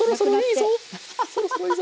そろそろいいぞ！